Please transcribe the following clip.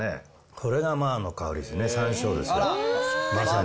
これがマーの香りですね、さんしょうです、まさに。